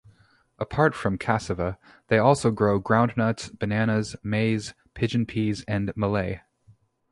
Apart from cassava they also grow groundnuts, bananas, maize, pigeon peas and millet.